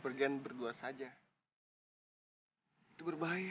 itu dia kang jalu